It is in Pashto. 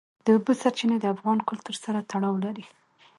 د اوبو سرچینې د افغان کلتور سره تړاو لري.